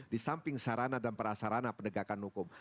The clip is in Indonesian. di samping sarana dan perasarana pendegakan hukum